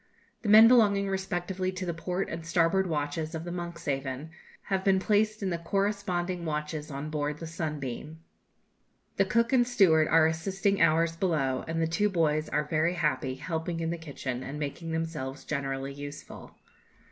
The men belonging respectively to the port and starboard watches of the 'Monkshaven' have been placed in the corresponding watches on board the 'Sunbeam.' The cook and steward are assisting ours below, and the two boys are very happy, helping in the kitchen, and making themselves generally useful.